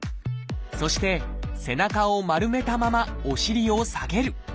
そして背中を丸めたままお尻を下げる。